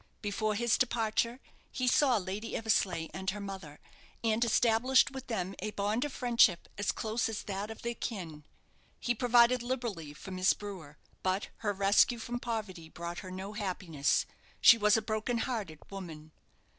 Before his departure he saw Lady Eversleigh and her mother, and established with them a bond of friendship as close as that of their kin. He provided liberally for Miss Brewer, but her rescue from poverty brought her no happiness: she was a broken hearted woman.